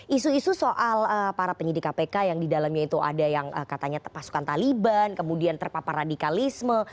isu isu soal para penyidik kpk yang di dalamnya itu ada yang katanya pasukan taliban kemudian terpapar radikalisme